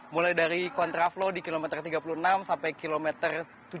mulai dari kontraflow di kilometer tiga puluh enam sampai kilometer tujuh puluh